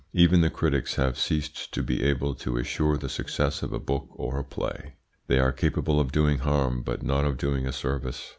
Even the critics have ceased to be able to assure the success of a book or a play. They are capable of doing harm, but not of doing a service.